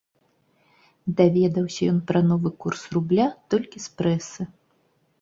Даведаўся ён пра новы курс рубля толькі з прэсы.